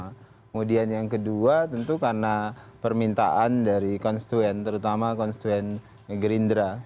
kemudian yang kedua tentu karena permintaan dari konstituen terutama konstituen gerindra